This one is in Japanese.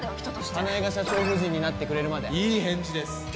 人として花枝が社長夫人になってくれるまでいい返事です